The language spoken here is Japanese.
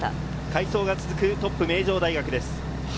快走が続くトップ・名城大学です。